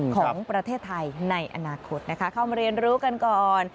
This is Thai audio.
ของประเทศไทยในอนาคตนะคะเข้ามาเรียนรู้กันก่อน